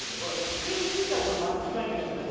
普通に撞いたらこれ真っすぐ返ってきますね